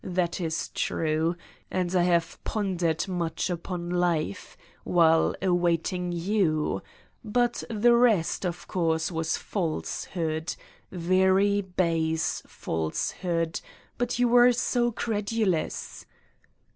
That is true. And I have pon dered much upon life, while awaiting you, but the rest, of course, was falsehood. Very base false hood, but you were so credulous.